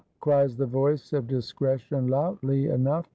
cries the voice of Discretion loudly enough.